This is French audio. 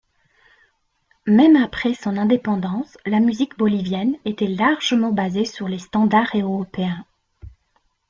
Même après son indépendance, la musique bolivienne était largement basée sur les standards européens.